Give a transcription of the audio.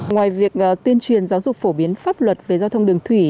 ngoài việc tuyên truyền giáo dục phổ biến pháp luật về giao thông đường thủy